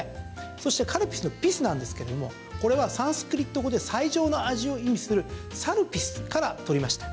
そしてカルピスの「ピス」なんですけれどもこれはサンスクリット語で最上の味を意味するサルピスから取りました。